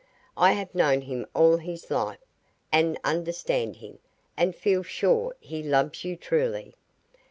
I have known him all his life, and understand him, and feel sure he loves you truly.